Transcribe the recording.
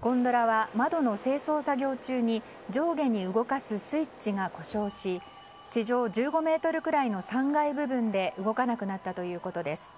ゴンドラは窓の清掃作業中に上下に動かすスイッチが故障し地上１５ｍくらいの３階部分で動かなくなったということです。